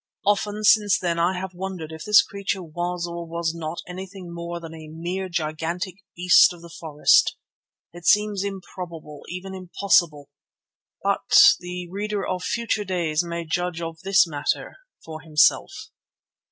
Often since then I have wondered if this creature was or was not anything more than a mere gigantic beast of the forest. It seems improbable, even impossible, but the reader of future days may judge of this matter for himself.